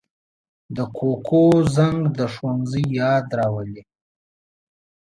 د کوکو زنګ د ښوونځي یاد راولي